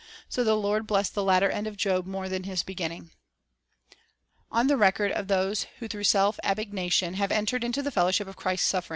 So the Lord blessed the latter end of Job more than his beginning." 3 On the record of those who through self abnegation have entered into the fellowship of Christ's sufferings, 'Job 19:7 21, R.